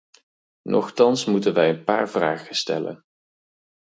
Nochtans moeten wij een paar vragen stellen.